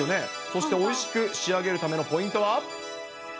そしておいしく仕上げるためのポイントは。